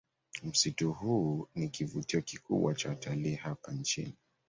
Msitu huu ni kivutio kikubwa cha watalii hapa nchini